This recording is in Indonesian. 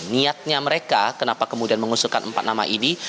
niatnya mereka kenapa kemudian mengusulkan empat nama ini